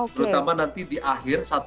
terutama nanti di akhir satu mei